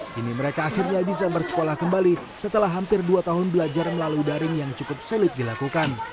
kini mereka akhirnya bisa bersekolah kembali setelah hampir dua tahun belajar melalui daring yang cukup sulit dilakukan